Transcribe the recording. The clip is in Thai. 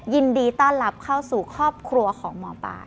ยินดีต้อนรับเข้าสู่ครอบครัวของหมอปลา